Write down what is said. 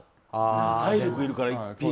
体力いるからって。